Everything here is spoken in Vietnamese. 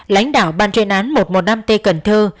lãnh đạo ban chuyên án một trăm một mươi năm t cần thơ